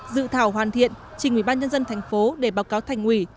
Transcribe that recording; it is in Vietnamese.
dự thảo hoàn thiện trình ubnd thành phố để báo cáo thành ủy